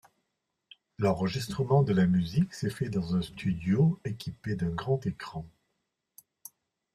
L'enregistrement de la musique s'est fait dans un studio équipé d'un grand écran.